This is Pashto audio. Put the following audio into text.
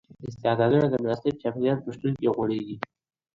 استعدادونه د مناسب چاپیریال په شتون کي غوړیږي.